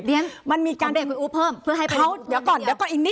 เรียนของเดชน์คุณอู๋เพิ่มเพื่อให้ประโยชน์อู๋เพิ่ม